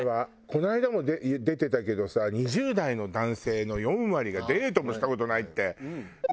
この間も出てたけどさ２０代の男性の４割がデートもした事ないっていうの出たじゃん。